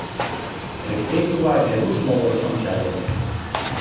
Элексей кува Веруш могырыш ончале.